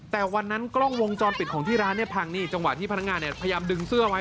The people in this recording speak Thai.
แต่วันนั้นกล้องวงจรปิดของที่ร้านเนี่ยพังนี่จังหวะที่พนักงานเนี่ยพยายามดึงเสื้อไว้